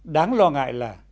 đáng lo ngại là